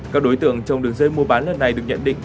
các đối tượng trong đường dây mua bán lần này được nhận định